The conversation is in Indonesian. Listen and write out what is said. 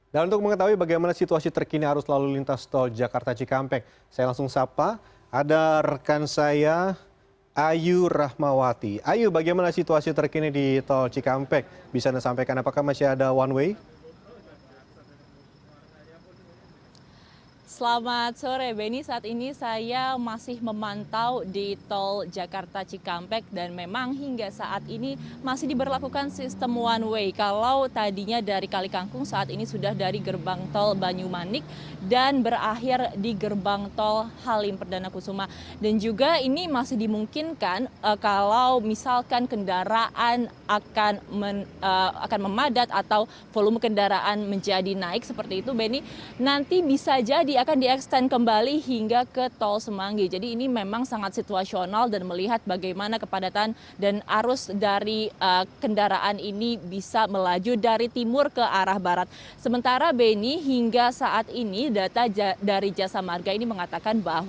dan untuk mengetahui bagaimana situasi terkini arus lalu lintas tol jakarta ckmk